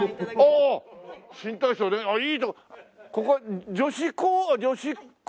ここは女子校？